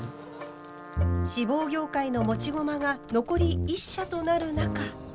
志望業界の持ち駒が残り１社となる中。